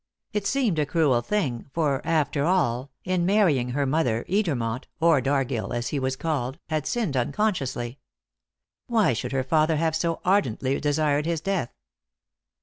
It seemed a cruel thing, for, after all, in marrying her mother Edermont or Dargill, as he was called had sinned unconsciously. Why should her father have so ardently desired his death?